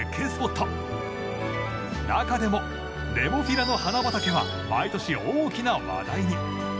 中でもネモフィラの花畑は毎年大きな話題に。